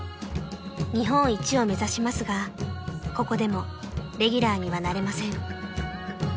［日本一を目指しますがここでもレギュラーにはなれません］